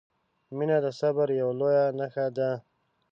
• مینه د صبر یوه لویه نښه ده.